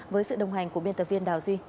với sự đồng hành của biên tập viên đào duy